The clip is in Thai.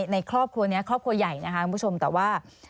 ไม่ว่าผัวใหญ่นะคะคุณผู้ชมแต่ว่า